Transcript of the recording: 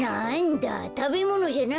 たべものじゃないんだ。